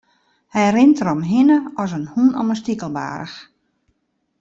Hy rint deromhinne as de hûn om in stikelbaarch.